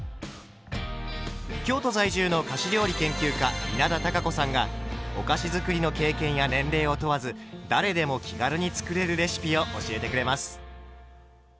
京都在住の菓子料理研究家稲田多佳子さんがお菓子づくりの経験や年齢を問わず誰でも気軽に作れるレシピを教えてくれます。